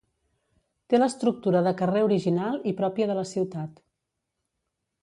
Té l'estructura de carrer original i pròpia de la ciutat.